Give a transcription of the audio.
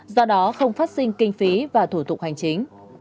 do đó không phát sinh kinh phí và thủ tục hành chính